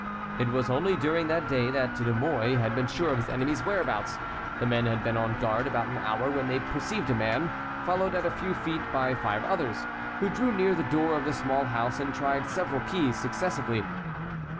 It was only during that day that De Mouy had been sure of his enemy's whereabouts. The men had been on guard about an hour when they perceived a man, followed at a few feet by five others, who drew near to the door of the small house and tried several keys successively.